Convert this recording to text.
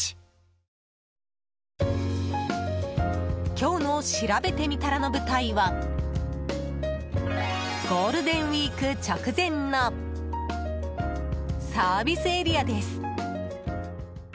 今日のしらべてみたらの舞台はゴールデンウィーク直前のサービスエリアです。